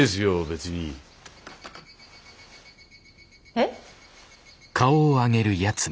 えっ！？